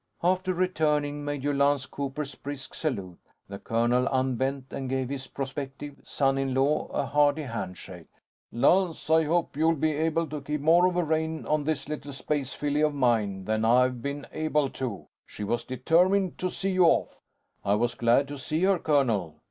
After returning Major Lance Cooper's brisk salute, the colonel unbent and gave his prospective son in law a hardy handshake. "Lance, I hope you'll be able to keep more of a rein on this little space filly of mine, than I've been able to. She was determined to see you off." "I was glad to see her, colonel."